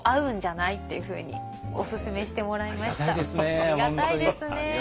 ありがたいですね。